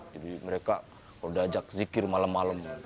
jadi mereka kalau diajak zikir malam malam